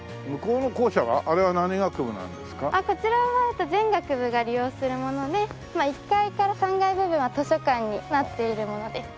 あっこちらは全学部が利用するもので１階から３階部分は図書館になっているものです。